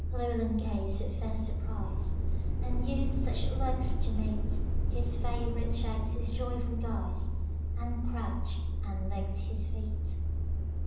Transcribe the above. Llewelyn gazed with fierce surprise; Unused such looks to meet, His favorite checked his joyful guise, And crouched and licked his feet.